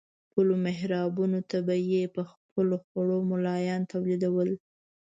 خپلو محرابونو ته به یې په خپلو خوړو ملایان تولیدول.